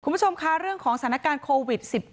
คุณผู้ชมค่ะเรื่องของสถานการณ์โควิด๑๙